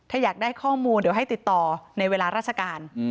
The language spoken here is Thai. ถ้าอยากได้ข้อมูลเดี๋ยวให้ติดต่อในเวลาราชการ